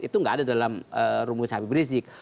itu nggak ada dalam rumus habib rizik